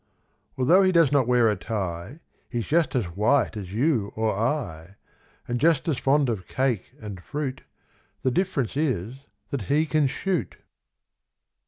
Although he does not wear a tie He's just as white as you or I, And just as fond of cake and fruit; The difference is that he can shoot.